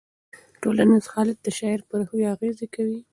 ټولنیز حالات د شاعر په روحیه اغېز کوي.